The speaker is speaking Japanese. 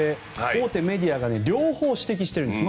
大手メディアが両方指摘しているんです。